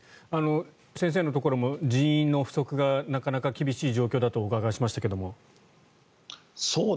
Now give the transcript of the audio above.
先生のところも人員の不足がなかなか厳しい状況だとお伺いしましたけども。